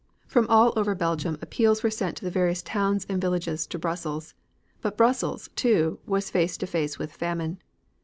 From all over Belgium appeals were sent from the various towns and villages to Brussels. But Brussels, too, was face to face with famine.